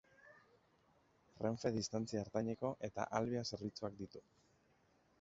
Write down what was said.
Renfe Distantzia Ertaineko eta Alvia zerbitzuak ditu.